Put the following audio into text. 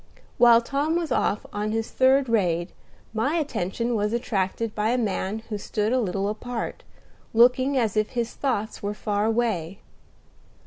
While Tom was off on his third raid, my attention was attracted by a man who stood a little apart, looking as if his thoughts were far away.